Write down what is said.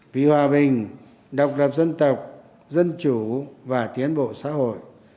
vì hòa bình độc lập dân tộc dân chủ và tiến bộ xã hội